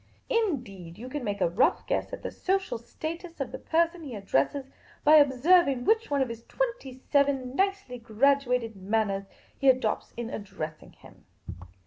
Indeed, you can make a rough guess at the social status of the person he addresses by observing which one of his twenty seven nicely graduated manners he adopts in addressing him.